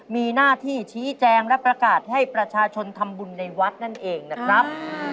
มีหน้าที่ชี้แจงและประกาศให้ประชาชนทำบุญในวัดนั่นเองนะครับ